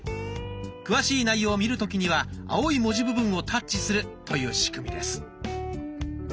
詳しい内容を見る時には青い文字部分をタッチするという仕組みです。